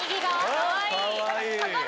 かわいい。